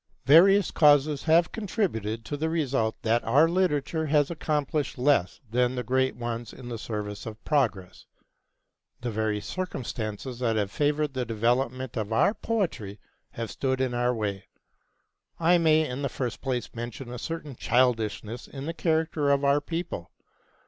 Various causes have contributed to the result that our literature has accomplished less than the greater ones in the service of progress. The very circumstances that have favored the development of our poetry have stood in our way. I may in the first place mention a certain childishness in the character of our people.